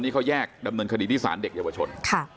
นี่เขาแยกดำเนินคดีที่สารเด็กเยาวชน